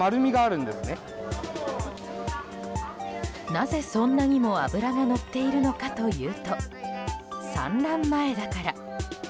なぜ、そんなにも脂がのっているのかというと産卵前だから。